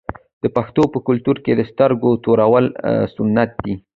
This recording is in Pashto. د پښتنو په کلتور کې د سترګو تورول سنت دي.